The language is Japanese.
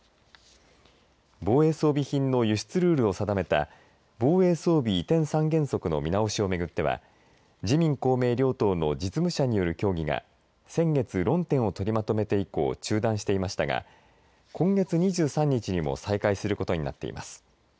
防衛装備品の輸出ルールを定めた防衛装備移転三原則の見直しを巡っては自民・公明両党の実務者による協議が先月、論点を取りまとめて以降中断していましたが今月２３日にも再開することになっています。